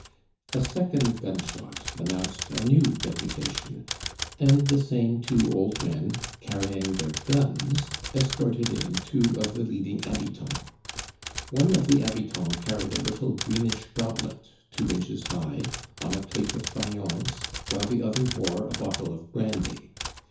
A second gunshot announced a new deputation, and the same two old men, carrying their guns, escorted in two of the leading habitants. One of the habitants car ried a little greenish goblet, two inches high, on a plate of faïence, while the other bore a bottle of brandy.